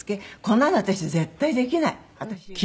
こんなの私絶対できない私は。